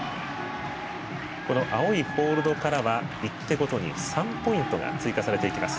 青いホールドからは１手ごとに３ポイントが追加されていきます。